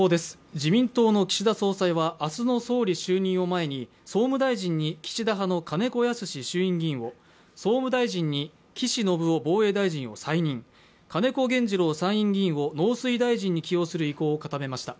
自民党の岸田総裁は明日の総理就任を前に総務大臣に岸田派の金子恭之衆院議員を、総務大臣に岸信夫防衛大臣を再任、金子原二郎参院議員を農水大臣に起用する意向を固めました。